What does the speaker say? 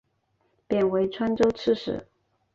贬为川州刺史。